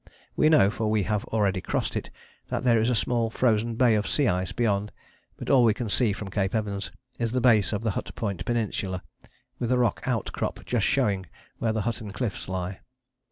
We know, for we have already crossed it, that there is a small frozen bay of sea ice beyond, but all we can see from Cape Evans is the base of the Hut Point Peninsula, with a rock outcrop just showing where the Hutton Cliffs lie.